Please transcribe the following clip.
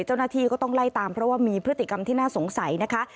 เจ้าหน้าที่ก็ต้องไล่ตามเพราะว่ามีพฤติกรรมที่น่าสงสัยนะคะ